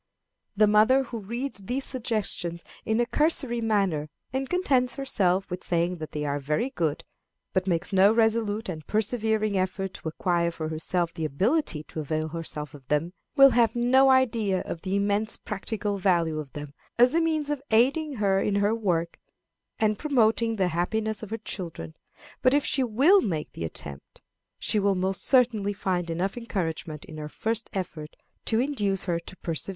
The mother who reads these suggestions in a cursory manner, and contents herself with saying that they are very good, but makes no resolute and persevering effort to acquire for herself the ability to avail herself of them, will have no idea of the immense practical value of them as a means of aiding her in her work, and in promoting the happiness of her children. But if she will make the attempt, she will most certainly find enough encouragement in her first effort to induce her to persevere.